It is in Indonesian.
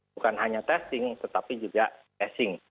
bukan hanya testing tetapi juga testing